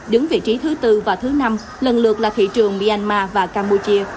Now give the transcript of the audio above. đứng vị trí thứ tư và thứ năm lần lượt là thị trường myanmar và campuchia